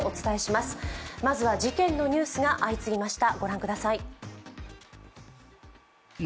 まずは事件のニュースが相次ぎました。